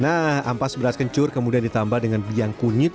nah ampas beras kencur kemudian ditambah dengan biang kunyit